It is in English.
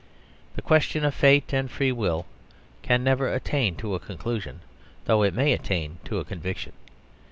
The question of Fate and Free Will can never attain to a conclusion, though it may attain to a conviction.